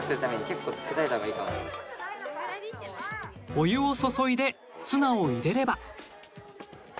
お湯を注いでツナを入れれば。